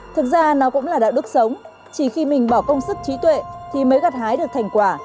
thực ra nó cũng là đạo đức sống chỉ khi mình bỏ công sức trí tuệ thì mới gặt hái được thành quả